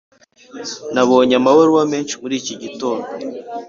nabonye amabaruwa menshi muri iki gitondo.